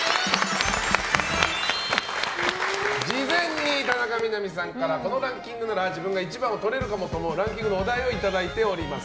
事前に、田中みな実さんからこのランキングなら自分が１番をとれるかもと思うランキングのお題をいただいております。